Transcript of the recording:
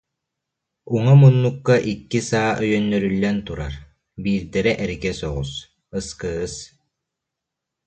Уҥа муннукка икки саа өйөннөрүллэн турар, биирдэрэ эргэ соҕус «СКС»